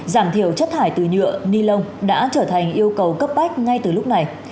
giảm thiểu chất thải từ nhựa ni lông đã trở thành yêu cầu cấp bách ngay từ lúc này